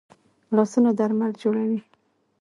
لاسونه درمل جوړوي